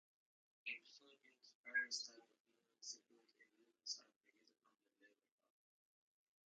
In the Philippines, various types of union security agreements are permitted under labor law.